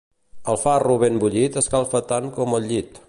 El farro ben bullit escalfa tant com el llit.